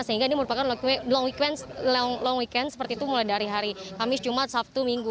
sehingga ini merupakan long weekend seperti itu mulai dari hari kamis jumat sabtu minggu